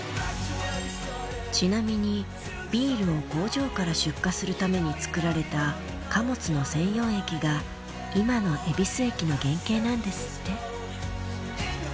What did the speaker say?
ちなみにビールを工場から出荷するために造られた貨物の専用駅が今の恵比寿駅の原型なんですって。